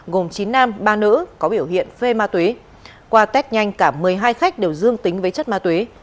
gồm chín nam ba nữ có biểu hiện phê ma túy qua test nhanh cả một mươi hai khách đều dương tính với chất ma túy